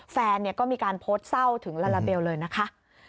แฟนก็มีการโพสต์เศร้าถึงลาลาเบลเลยนะคะ